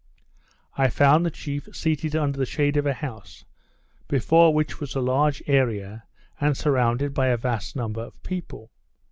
I found the chief seated under the shade of a house, before which was a large area, and surrounded by a vast number of people.